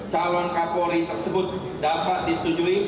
calon kapolri tersebut dapat disetujui